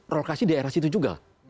relokasi di daerah situ juga